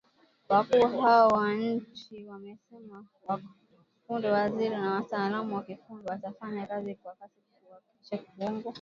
Wakuu hao wa nchi wamesema kwamba punde , mawaziri na wataalamu wa kiufundi watafanya kazi kwa kasi kuhakikisha Kongo